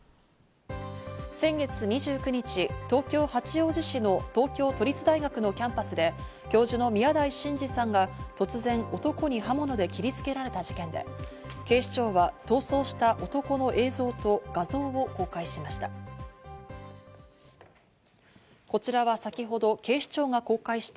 先月２９日、東京・八王子市の東京都立大学のキャンパスで教授の宮台真司さんが突然男に刃物で切りつけられた事件で、警視庁は逃走した男の映像と画像を公開しました。